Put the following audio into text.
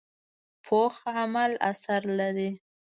پوخ عمل اثر لري